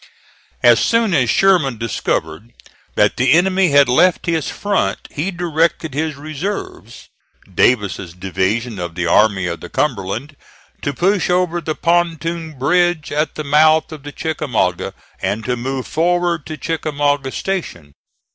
As soon as Sherman discovered that the enemy had left his front he directed his reserves, Davis's division of the Army of the Cumberland, to push over the pontoon bridge at the mouth of the Chickamauga, and to move forward to Chickamauga Station.